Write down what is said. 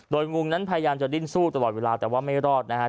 โดยงุงนั้นพยายามจะดิ้นสู้ตลอดเวลาแต่ว่าไม่รอดนะครับ